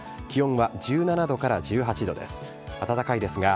気温は１７度から１８度です。